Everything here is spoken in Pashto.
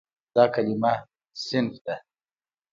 دا کلمه "صنف" ده.